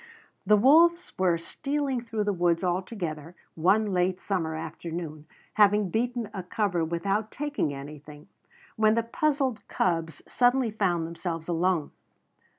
The wolves were stealing through the woods all together, one late summer afternoon, having beaten a cover without taking anything, when the puzzled cubs suddenly found themselves alone.